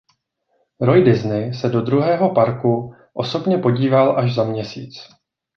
Roy Disney se do druhého parku osobně podíval až za měsíc.